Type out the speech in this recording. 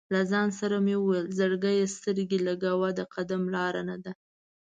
له ځان سره مې ویل: "زړګیه سترګې لګوه، د قدم لاره نه ده".